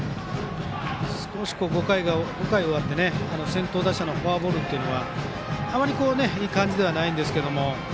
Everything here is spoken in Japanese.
すこし５回終わって先頭打者のフォアボールはあまり、いい感じではないですが。